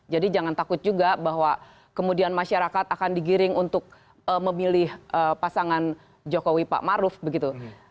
jadi jangan takut juga bahwa kemudian masyarakat akan digiring untuk memilih pasangan jokowi pak maruf begitu